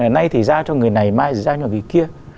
này thì ra cho người này mai thì ra cho người kia